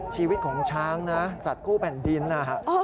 ชีวิตของช้างนะสัตว์คู่แผ่นดินนะฮะ